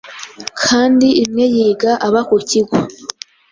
kandi imwe yiga aba ku kigo